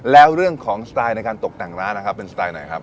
แล้วเรื่องของสไตล์ในการตกแต่งร้านนะครับเป็นสไตล์ไหนครับ